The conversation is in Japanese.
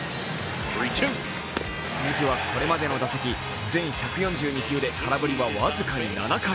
鈴木はこれまでの打席、全１４２球で空振りは僅かに７回。